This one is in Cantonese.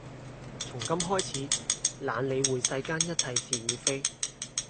從今開始懶理會世間一切是與非